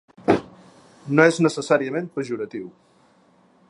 No és necessàriament pejoratiu.